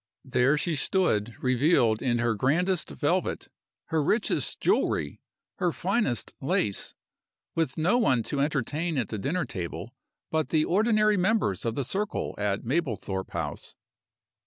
There she stood revealed in her grandest velvet, her richest jewelry, her finest lace with no one to entertain at the dinner table but the ordinary members of the circle at Mablethorpe House.